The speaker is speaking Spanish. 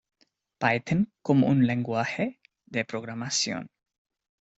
Python como un legunaje de programación.